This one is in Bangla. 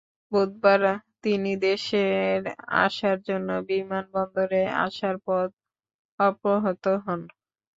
বুধবার তিনি দেশের আসার জন্য বিমান বন্দরে আসার পথে অপহৃত হন।